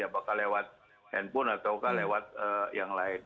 apakah lewat handphone atau lewat yang lain